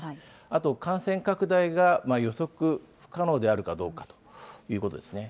あと、感染拡大が予測不可能であるかどうかということですね。